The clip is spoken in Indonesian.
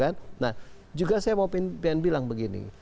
nah juga saya mau pengen bilang begini